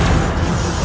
aku akan menang